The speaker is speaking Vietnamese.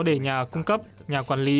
để nhà cung cấp nhà quản lý